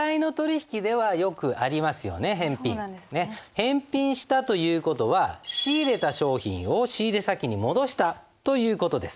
返品したという事は仕入れた商品を仕入れ先に戻したという事です。